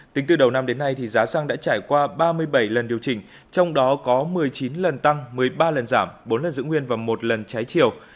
tính từ đầu năm đến nay giá xăng đã trải qua ba mươi bảy lần điều chỉnh trong đó có một mươi chín lần tăng một mươi ba lần giảm bốn lần giữ nguyên và một lần trái chiều